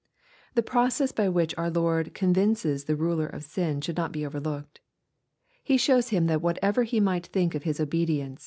] The process by which our Lord convinces the ruler of sin should not be overlooked. He shows him that whatever he might think of his obedience